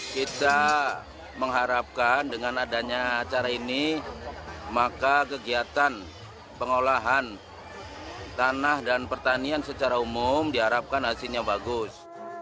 kita mengharapkan dengan adanya acara ini maka kegiatan pengolahan tanah dan pertanian secara umum diharapkan hasilnya bagus